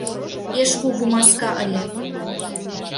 — Пеш кугу маска ыле.